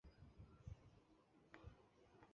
而自己作出来的角色能在其他的模式中使用。